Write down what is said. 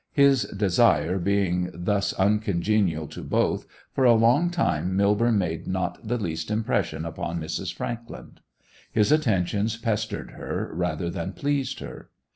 His desire being thus uncongenial to both, for a long time Millborne made not the least impression upon Mrs. Frankland. His attentions pestered her rather than pleased her.